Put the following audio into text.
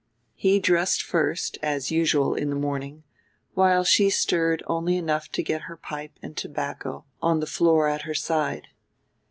He dressed first, as usual, in the morning, while she stirred only enough to get her pipe and tobacco, on the floor at her side.